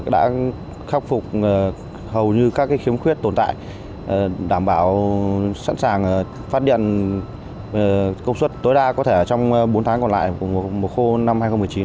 đã khắc phục hầu như các khiếm khuyết tồn tại đảm bảo sẵn sàng phát điện công suất tối đa có thể trong bốn tháng còn lại của mùa khô năm hai nghìn một mươi chín